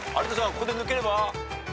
ここで抜ければ。